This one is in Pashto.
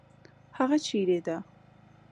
هغه چیرې ده؟